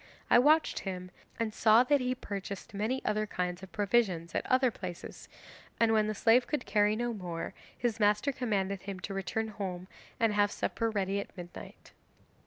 I watched him and saw that he purchased many other kinds of provisions at other places, and when the slave could carry no more his master commanded him to return home and have supper ready at midnight.